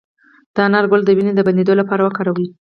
د انار ګل د وینې د بندیدو لپاره وکاروئ